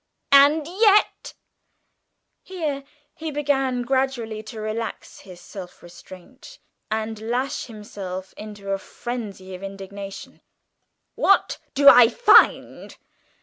"And yet" (here he began gradually to relax his self restraint and lash himself into a frenzy of indignation), "what do I find?